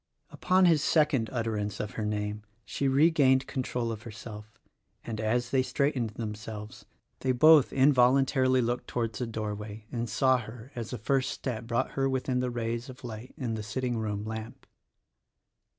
Upon his second utterance of her name she regained control of herself; and as they straightened them selves they both involuntarily looked towards the doorway 32 THE RECORDING ANGEL and saw her as the first step brought her within the rays of light of the sitting room lamp.